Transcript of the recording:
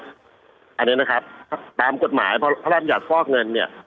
อันนี้นะครับตามกฎหมายภรรณหยัดฟอกเงินเนี่ย